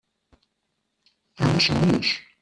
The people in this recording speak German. Wir müssen los.